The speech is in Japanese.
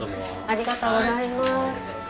ありがとうございます。